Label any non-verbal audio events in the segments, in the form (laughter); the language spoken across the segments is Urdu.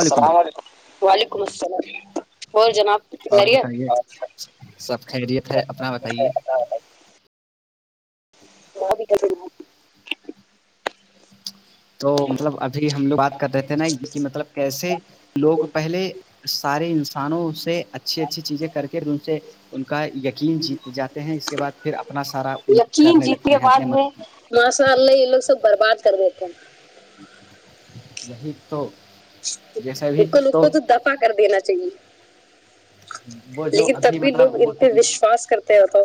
السلام علیکم وعلیکم السلام ب جناب اور خیریت بتائیے سب خیریت ہے اپنا بتائیے (unintelligible) تو مطلب ابھی ہم لوگ بات کر رہے تھے نا یہ کہ مطلب کیسے لوگ پہلے سارے انسانوں سے اچھے اچھی چیزیں کر کے ان سے ان کا یقین جیت جاتے ہیں اس کے بعد پھر اپنا سارا الٹ یکین کرنے جیت لگتے کے ہیں بعد اپنے میں مت ماشاء اللہ یہ لوگ سب برباد کر دیتے ہیں وہی تو جیسے بھی نکل نکل تو دفا کر دینا چاہیے وہ جو لیکن ابھی تب بھی لوگ مطلب وہ ان پہ وشواس کرتے رہ تو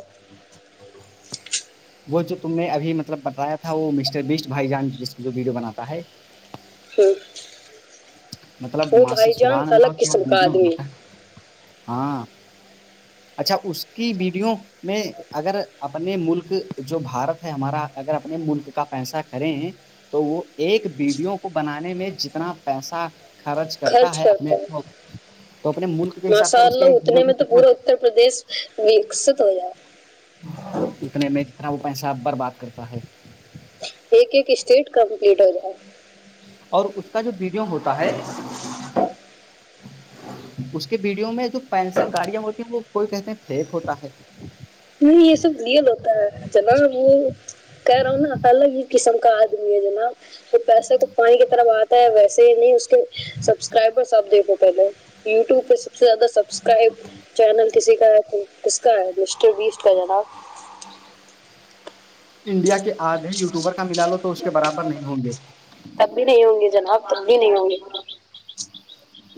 تو ابھی مطلب بتایا تھا وہ مسٹر بسٹ بھائی جان جس جو ویڈیو بناتا ہے ہوں مطلبرب وہ بھائی جان الگ قسم کا آدمی ہے ہاں اچھا اس کی وڈیو میں اگر اپنے ملک جو بھارت ہے ہمارا اگر اپنے ملک کا پیسہ کرے تو وہ ایک وڈیو کو بنانے میں جتنا پیسہ خرچ ہے اپنے کرتا ہے تو اپنے ملک کے حساب سے ماشاء اس کے اللہ ایک ویڈیو اتنے میں تو کتنا پورا اتر پردیش وکست ہو جائےا اتنے میں انا وہ پیساب بر بات کرتا ہے ایک ایک اسٹیٹ کمپلیٹ ہو جائے اور اس کا جو بی کیوں ہوتا ہے اس کے ویڈیو میں جو پینسل گاڑیاں ہوتی وہ کوئی کہتے ہیں فیک ہوتا ہے نہیں یہ سب رئل ہوتا ہے جنا وہ کہہ رہا ہوں نا الگ ہی قسم کا آدمی ہے جناب تو پیسے کو پانی کی طرف آتا ہے ویسے ہی نہیں اس کے سبسکرائبر آپ دیکھو پہلے وٹیوب پہ سب سے زیادہ سبسکرب چینل کسی کا ہے کس کا ہے کے بیس کا جناب انڈیا کے آدھے یوٹیوبر کا ملا لو تو اس کے برابر نہیں ہوں گے تب بھی نہیں ہوں گے جناب تب بھی نہیں ہ گی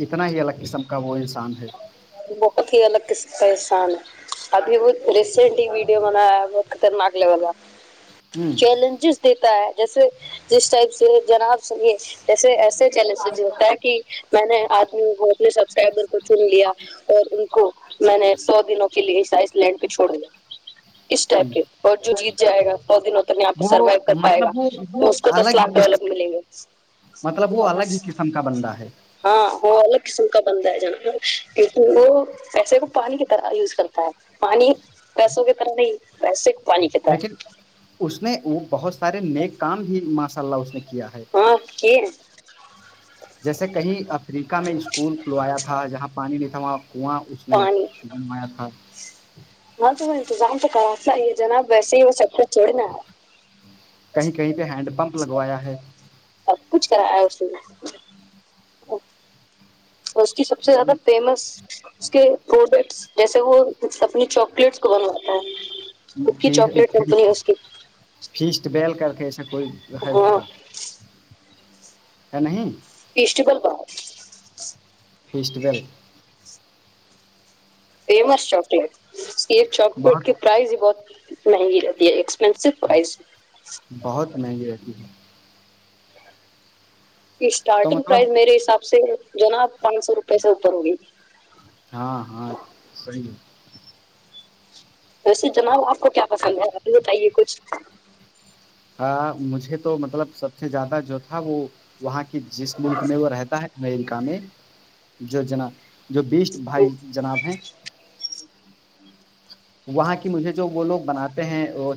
اتنا ہی الگ قسم کا وہ آسان ہے بہت ہی الگ قس کاسان ہے ابھی بت ریسنٹ ہی ویڈیو مناطر معگلا واللا ہ چیلنجز دیتا ہے جیسے جس ٹائپ سے جناب سے جیسے ایسے پہلے سے جو ہوتا ہے کہ میں نے ادمیوں کو اپنا سبسکرائبر کو چن لیا اور ان کو میں نے سو دنوں کے لیے سائز لینڈ پہ چھوڑ دیا اس ہ ٹائپ کے اور جو جی جائے گا سو دنوں تک یہاں پہ وہ سروائو کر پائے گا مطلب وہ وہ اس کو دس الگ ہی لاکھ ڈالر قسم ملیں گے مطلب وہ الگ ہی قسم کا بندہ ہے ہاں وہ الگ قسم کا بندہ ہے جانتے ہو کیونکہ وہ پیسوں کو پانی کی طرح یوز کرتا ہے پانی پیسوں کی طرح نہیں ویسے لیکن اس نے وہ بہت سارے نئے کام ہی ماس اللہ اسے ہاں کی (inaudible) جیسے کہیں افریقہ میں اسکول کھلوایا تھا جہاں پانی نہیں تھا وہاں کنواں اس نے پانی بنوایا تھا ہاں تو بو انتظام تو صحیح ہے جناب ویسے ہی وہ سیکٹر چھوڑنا کہیں کہیں پہ ہینڈ پمپ لگوایا ہے سب کچھ کرایا اس نے او (unintelligible) اس کی سب سے زیادہ فیمس اس کے پروڈکٹس جیسے وہ سبھی چاکلیٹس کو بنواتا ہے خود کی پھر چاکلیٹ پھر کمپنی ہے اس کی فیسٹ بیل کر کے ایسا کوئی ہے ان ہاں کا ہے نہیں East Bengal festival famous chocolates یہ چاکلیٹ بہت کی پرائز بہت مہنگی ہے تبھی ایکس بہت مہنگی رہتی تو اسٹارٹنگ مطلب پرائز میرے حساب سے جو ہے نا پانچ سو روپے سے اوپر ہوگی ہاں ہاں صحیح ہے ویسے جناب آپ کو کیا پسند ہے ابھی بتائیے کچھ مجھے تو مطلب سب سے زیادہ جو تھا وہ وہاں کی جس ملک میں وہ رہتا ہے امریکا کا میں جو جناب جو بیسٹ بھائی جناب ہیں وہاں کی مجھے جو وہ لوگ بناتے ہیں بو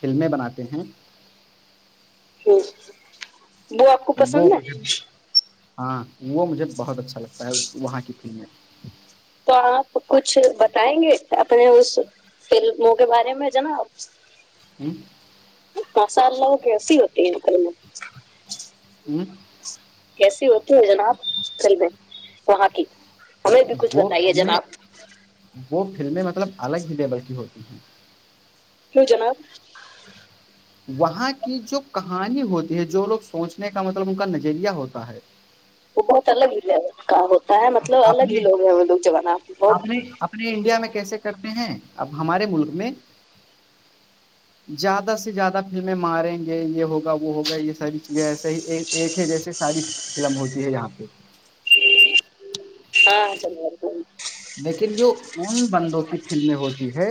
فلمیں بناتے ہیں ج (unintelligible) وہ آپ کو وہ پسند ہے مجھے ہاں وہ مجھے بہت اچھا لگتا ہے وہاں کی فلمیں تو آپ کچھ بتائیں گے اپنے اس ف من کے بارے میں جناا ہوں (unintelligible) سال ل وہ کیسی ہوتی ہیں ک کیسی ہوتی ہے جناب چل د وہاں کی (unintelligible) بھی کچھ وہ بتائیے فلمیں جناب وہ فلمیں مطلب الگ ہی ہےے بلکی ہو جی ہ (unintelligible) کیوں جناب وہاں کی جو کہانی ہوتی ہے جو لوگ سوچنے کا مطلب ان کا نظریہ ہوتا ہے وہ بہت الگ ہی ہے کام ہو اپنے اپنے بہت اپنے انڈیا میں کیسے کرتے ہیں اب ہمارے ملک میں زیادہ سے زیادہ فلمیں ماریں گے یہ ہوگا وہ ہوگا یہ ساری چیزیں ایسے ہی ایک ہے جیسے ساری فلم ہوتی ہے یہاں پہ ہاں چ (unintelligible) لیکن جو ان بندوں کی فلمیں ہوتی ہے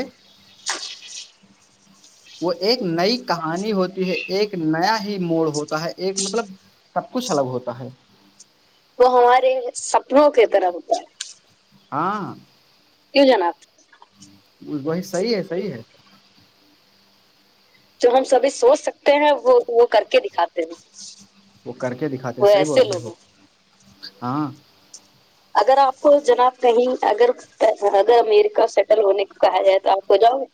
وہ ایک نئی کہانی ہوتی ہے ایک نیا ہی موڑ ہوتا ہے ایک مطلب سب کچھ الگ ہوتا ہے سب (unintelligible) نوکےترا ہوتا ہاں جانات (unintelligible) بی صحیح ہے صحیح ہے جو ہم سبھی سوچ سکتے ہیں وہ وہ کر کے دکھاتے ہیں وہ کر کے دکھاتے وہ ہیں صحیح بول ایسے رہے لوگ ہیں وہ ہاں اگر آپ کو جناب کہیں اگر اگر امیریکہ سیٹل ہونے کو کہا جائے تو آپ ہو جاؤ گے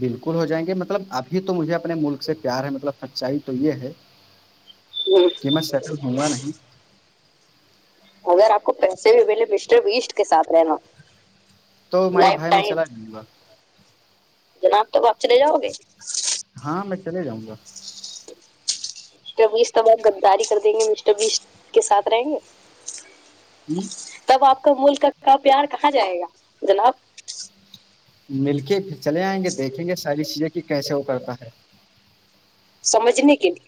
بالکل ہو جائیں گے مطلب ابھی تو مجھے اپنے ملک سے پیار ہے مطلب سچائی تو یہ ہے ہوں کہ میں سیٹل ہوں گا نہیں اگر آپ کو پیسے بھی پلے مسٹر وسٹ کے ساتھ رہنا تو مائی لائف بھائی میں ٹائم چلا جؤ گا جناب تو بپ چلے جاؤ گے ہاں ل چلے جاؤں گا (unintelligible) مسٹر بیس تب گداری کر دیں گے مسٹر بیس کے ساتھ رہیں گے ہ تب آپ کا ملک کا (unintelligible) کا پیار کہا جائے گا جناب مل کے (inaudible) پھر چلے آئیں گے دیکھیں گے ساری چیزیں کی کیسے وہ کرتا ہے سمجھنے کے لی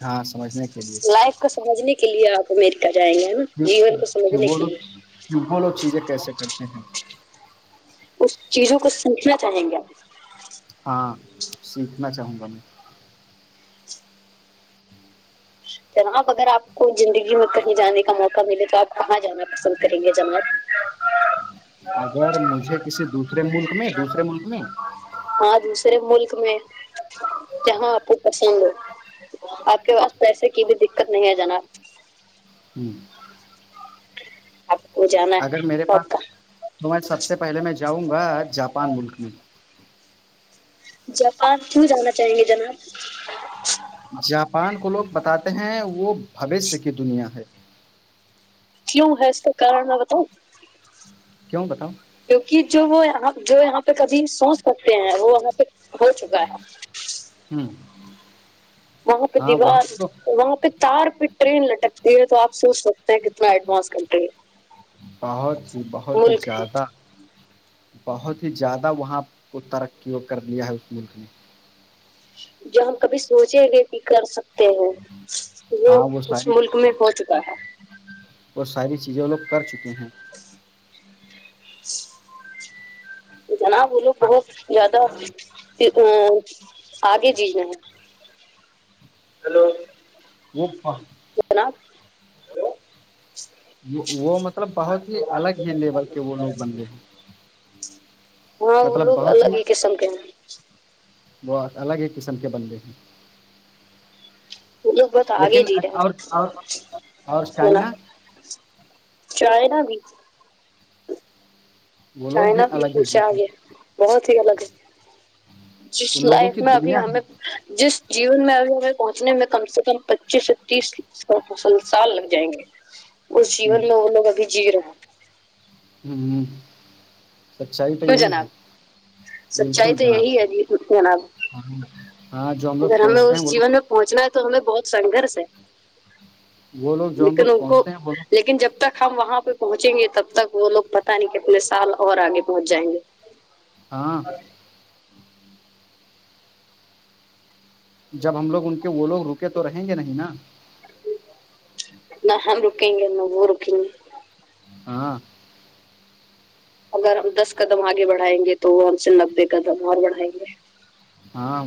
ہاں سمجھنے کے لیے لائف کو سمجھنے کے لیے آپ امیریکہ (inaudible) جائیں گے نا جیون کو کہ سمجھنے وہ کے لوگ وہ لوگ چیزیں کیسے کرتے ہیں اس چیزوں کو پوچھنا چاہیں گے آپ ہاں سیکھنا چاہوں گا میں (inaudible) جناب اگر آپ کو زندگی میں کہیں جانے کا موقع ملے تو آپ کہاں جانا پسند کریں گے جنگل اگر مجھے کسی دوسرے ملک میں دوسرے ملک میں ے ملک میں جہاں آپ کو پسند ہو آپ کے پاس پیسے کی بھی دقت نہیں ہے جناب ہوں (inaudible) آپ کو جانا اگر ہے میرے تو پاس آپ کا تو میں سب سے پہلے میں جاؤں گا جاپان ملک میں جاپان کیوں جانا چاہیں گے جناب جاپان کو لوگ بتاتے ہیں وہ بوشیہ کی دنیا ہے کیوں ہے اس کن میں بتاؤں کیوں بتاؤ کیونکہ جو وہ یہاں (inaudible) جو یہاں کبھی سوچ سکتے ہیں وہ ہم ہوں (inaudible) وہاں پہ دیوار وہاں پہ تار پ ٹرین لٹکتی ہے تو آپ سوچ سکتے کتنا ایڈوانس کنٹری ہے بہت ہی بہت ہی ملک ہے زیادہ بہت ہی زیادہ وہاں کو ترقی کر لیا ہے اس ملک نے جو ہم کبھی سوچیں گے کہ کر سکتے ہیں وہ ہاں اس ساری ملک میں ہو چکا ہے وہ ساری چیزیں لوگ کر چکے ہیں جناب وہ لوگ بہت زیادہ ا آگے جینا ہے وہ ہلونا (inaudible) وہ مطلب بہت ہی الگ ہی لیول کے وہ لوگ بنتے ہیں ہوں (inaudible) ہاں وہ لوگ الگ ہی قسم کے ہیں وہ الگ ہی قسم کے بن گے ہیں اگ بت آگے لیکن دیر اور اور اور چائنا چائےنا بھی وہ لوگ بھی چائنا الگ ہی پیھے جیتے آگے ہیں، بہت ہی الگ ہے جس ان لوگوں کی لائف میں ابھی دنیا ہمیں ہے جس جیون میں ابھی ہمیں پہنچنے میں کم سے کم پچیس سے تیس سال لگ جائیں گے وہ جیون میں ان لوگ کابھی جی رہا (inaudible) سچائی تو کیوں یہی ہے جناب سچائی بالکل تو جناب یہی ہے جی جناب ہاں جو ہم لوگ اگر ہمیں سوچتے ہیں اس وہ جیون میں پہنچنا تو ہمیں بہت سنگرش ہے لوگ وہ لوگ جو ہم لوگ لیکن ان کو سوچتے ہیں وہ لوگ لیکن جب تک ہم وہاں پہ پہنچ پہنچیں گے تب تک وہ لوگ پتا نہیں کتنے سال اور آگے پہنچ جائیں گے ہاں جب ہم لوگ ان کے وہ لوگ رکے تو رہیں گے نہیں نا ن رکیں گ ن وہو رک ہاں اگر ہم دس قدم آگے بڑھائیں گے تو وہ ہم سے نبے قدم اور بڑھائیں گے ہاں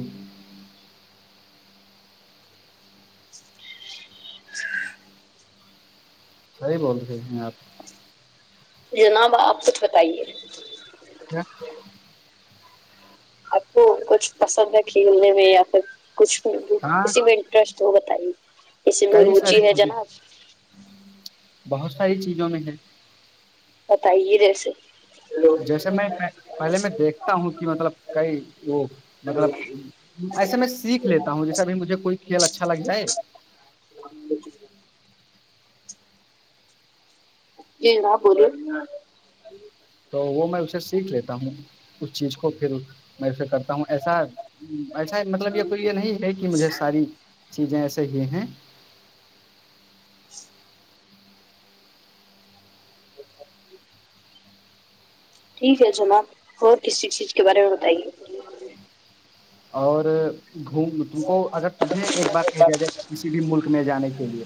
(unintelligible) سی بول رہے ہیں آپ جناب آپ کچھ بتائیے ہ آپ کو کچھ پسند ہے کھیلنے میں یا پھر کچھ ہاں کسی میں انٹرسٹ ہو بتائیے اسی میں کئی روچی ساری ہے چیزیں جناب بہت ساری چیزوں میں ہے بتائیے رہیس جیسے میں پہلے میں دیکھتا ہوں کہ مطلب کئی وہ مطلب ایسے میں سیکھ لیتا ہوں جیسے اب مجھے کوئی کھیل اچھا لگ جائے جی راہ بولے تو وہ میں اسے سیکھ لیتا ہوں اس چیز کو پھر میں اسے کر ہ ایسا ایسا مطلب یہ کوئی یہ نہیں ہے کہ مجھے ساری چیزیں ایسا ہی ہیں (inaudible) ٹھیک ہے جناب اور ک چیز کے بارے میں بتائیے اور گھوم تم کو اگر تمہیں ایک بار کہ دیا جائے کسی بھی ملک میں جانے کے لیے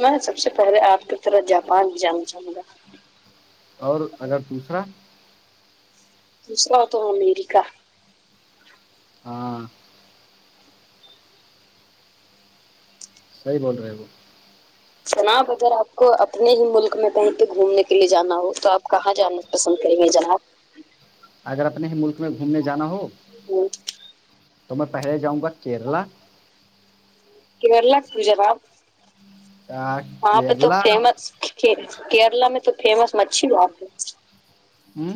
میں سب سے پہلے آپ کی طرح جاپان جانا چاہوں گا اور اگر دوسرا دوسرا تو امیرکا ہاں صحیح بول رہے وہ جناب اگر آپ کو اپنے ہی ملک میں کہیں پہ گھومنے کے لیے جانا ہو تو آپ کہاں جانا پسند کریں گے جناب اگر اپنے ملک تمہیں گھومنے جانا ہو تو میں پہلے جاؤں گا کیرلا کہ بر ل پو جا باب وہاں پہ تو کیرلا فیمس کیرلا میں تو فیمس مچھھی باات ہے ہ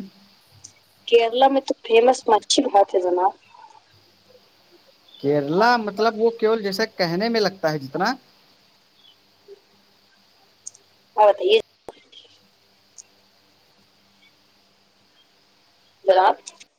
کیرلا میں تو فیمس مچھھی بھات ہے جناب کیرلا مطلب وہ کیول جیسا کہنے میں لگتا ہے جتنا ہ بتائیے جاب